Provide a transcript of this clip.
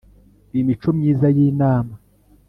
imico myiza y Inama